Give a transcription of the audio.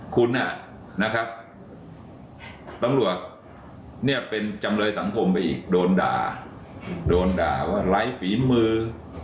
คุณน่ะตำรวจเป็นจำเลยสังคมไปอีกโดนด่าว่าไร้ฝีมือ